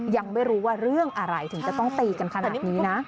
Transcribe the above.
ยังไม่รู้ว่าเรื่องอะไรถึงจะต้องตีกันขนาดนี้นะ